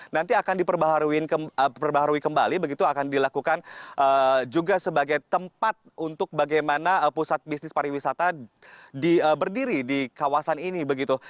nanti akan diperbaharui kembali begitu akan dilakukan juga sebagai tempat untuk bagaimana pusat bisnis pariwisata berdiri di kawasan ini begitu